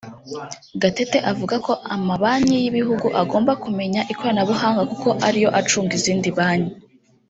Gatete avuga ko amabanki y’ibihugu agomba kumenya ikoranabuhanga kuko ari yo acunga izindi banki